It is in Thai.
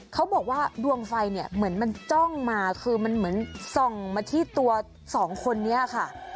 เขาบอกว่าดวงไฟเนี่ยเหมือนมันจ้องมาคือมันเหมือนส่องมาที่ตัวสองคนนี้ค่ะ